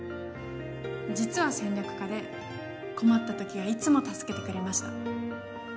実は戦略家で困った時はいつも助けてくれました。